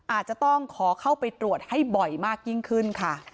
อาจจะต้องขอเข้าไปตรวจให้บ่อยมากยิ่งขึ้นค่ะ